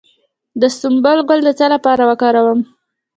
د سنبل ګل د څه لپاره وکاروم؟